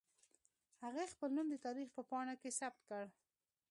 هغې خپل نوم د تاريخ په پاڼو کې ثبت کړ.